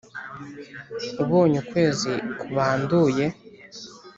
ubonye ukwezi kubanduye